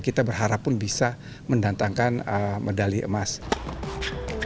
kita berharap untuk bisa mengodol dua medali emas meskipun untuk baik ganda putri maupun tunggal putra